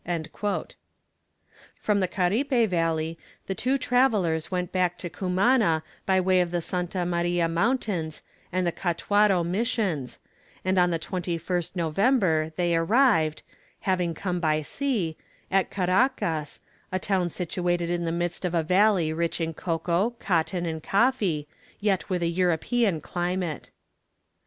[Illustration: Itinerary of Humboldt's route in equinoctial America.] From the Caripe valley the two travellers went back to Cumana by way of the Santa Maria Mountains and the Catuaro missions, and on the 21st November they arrived having come by sea at Caracas, a town situated in the midst of a valley rich in cocoa, cotton, and coffee, yet with a European climate.